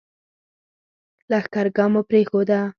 لښکرګاه مو پرېښوده.